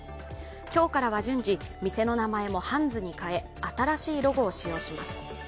今日からは順次、店の名前もハンズに変え新しいロゴを使用します。